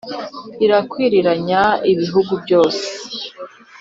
Irakwiriranya ibihugu byose